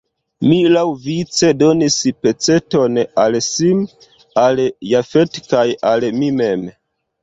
Mi laŭvice donis peceton al Sim, al Jafet kaj al mi mem.